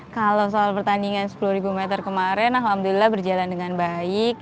kalau soal pertandingan sepuluh meter kemarin alhamdulillah berjalan dengan baik